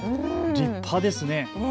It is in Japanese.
立派ですね。